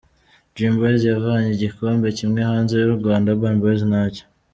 Dream Boyz yavanye igikombe kimwe hanze y’u Rwanda, Urban Boyz ntacyo.